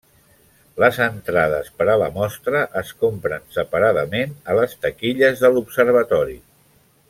Les entrades per a la mostra es compren separadament a les taquilles de l’observatori.